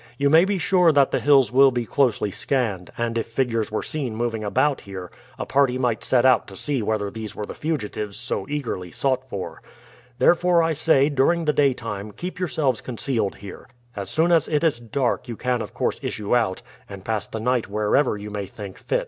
You may be sure that the hills will be closely scanned, and if figures were seen moving about here a party might set out to see whether these were the fugitives so eagerly sought for. Therefore I say, during the daytime keep yourselves concealed here. As soon as it is dark you can of course issue out and pass the night wherever you may think fit." [Illustration: C. of B.